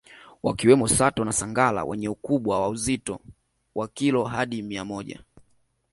Wakiwemo Sato na Sangara wenye ukubwa wa uzito wa kilo hadi mia moja